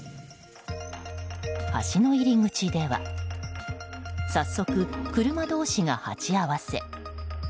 橋の入り口では早速、車同士が鉢合わせ。